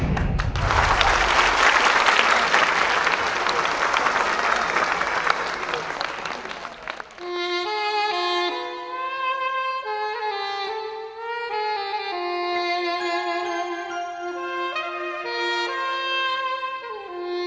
สวัสดีครับ